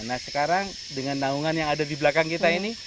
nah sekarang dengan naungan yang ada di belakang kita ini